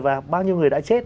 và bao nhiêu người đã chết